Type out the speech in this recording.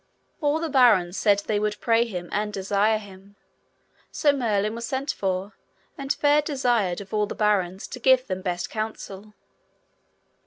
All the barons said they would pray him and desire him. So Merlin was sent for, and fair desired of all the barons to give them best counsel.